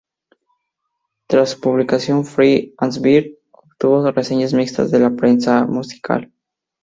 Tras su publicación, "Free as a Bird" obtuvo reseñas mixtas de la prensa musical.